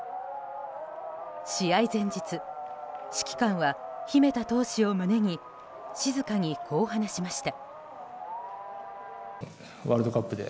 試合前日、指揮官は秘めた闘志を胸に静かに、こう話しました。